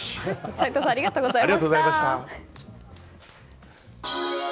斉藤さんありがとうございました。